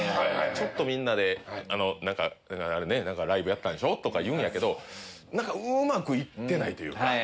ちょっとみんなで何か「あれねライブやったんでしょ」とか言うんやけど何かうまく行ってないというか。